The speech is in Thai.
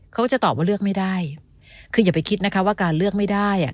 เขาก็จะตอบว่าเลือกไม่ได้คืออย่าไปคิดนะคะว่าการเลือกไม่ได้อ่ะ